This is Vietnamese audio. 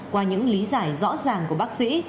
qua những lý giải rõ ràng của bác sĩ